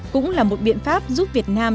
cũng là một biện pháp giúp việt nam